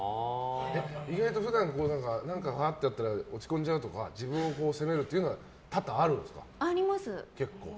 意外と普段、何かあったら落ち込んじゃうとか自分を責めるというのはあります。